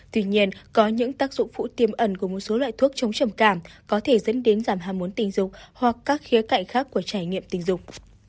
tuy nhiên có những tác dụng phụ tiêm ẩn của một số loại thuốc chống trầm cảm có thể dẫn đến giảm ham muốn tình dục hoặc các khía cạnh khác của trải nghiệm tình dục